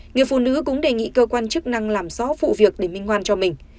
người phụ nữ cũng đề nghị cơ quan chức năng làm rõ vụ việc để minh hoan cho mình